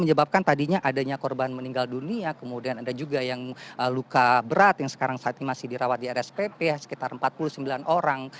menyebabkan tadinya adanya korban meninggal dunia kemudian ada juga yang luka berat yang sekarang saat ini masih dirawat di rspp sekitar empat puluh sembilan orang